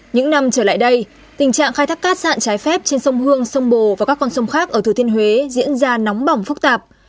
những năm trở lại đây tình trạng khai thác cát sạn trái phép trên sông hương sông bồ và các con sông khác ở thừa thiên huế diễn ra nóng bỏng phức tạp